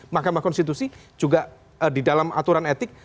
mahkamah konstitusi juga di dalam aturan etik